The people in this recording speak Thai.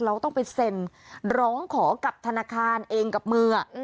เราต้องไปเซ็นร้องขอกับธนาคารเองกับมือ